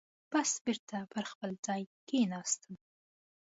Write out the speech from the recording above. بس بېرته پر خپل ځای کېناستم.